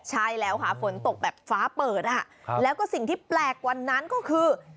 ใช่แล้วค่ะฝนตกแบบฟ้าเปิดอ่ะแล้วก็สิ่งที่แปลกกว่านั้นก็คือ